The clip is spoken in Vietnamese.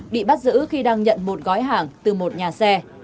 bị bắt giữ khi đang nhận một gói hàng từ một nhà xe